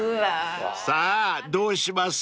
［さぁどうします？］